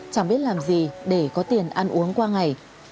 chẳng biết làm gì để có tiền ăn uống qua ngày